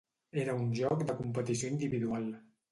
Era un joc de competició individual.